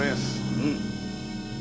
うん。